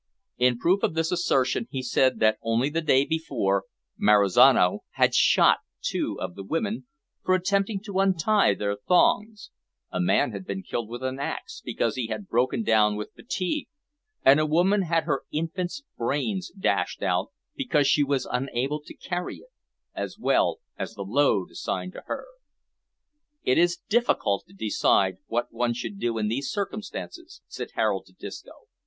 In proof of this assertion he said that only the day before, Marizano had shot two of the women for attempting to untie their thongs; a man had been killed with an axe because he had broken down with fatigue; and a woman had her infant's brains dashed out because she was unable to carry it, as well as the load assigned to her. "It is difficult to decide what one should do in these circumstances," said Harold to Disco.